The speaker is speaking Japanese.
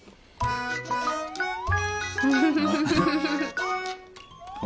ウフフフフ。